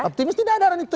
optimis tidak ada arahan itu